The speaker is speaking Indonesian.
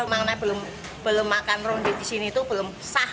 makna belum makan ronde di sini itu belum sah